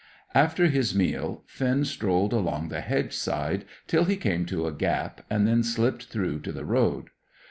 After his meal Finn strolled along the hedge side till he came to a gap, and then slipped through to the road.